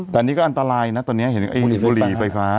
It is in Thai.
แต่นี่ก็อันตรายนะตอนนี้บริไฟฟ้า